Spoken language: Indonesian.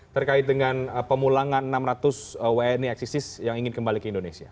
terkait dengan pemulangan enam ratus wni eksisis yang ingin kembali ke indonesia